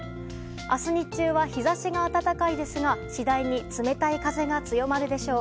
明日日中は日差しが暖かいですが次第に冷たい風が強まるでしょう。